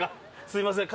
すいません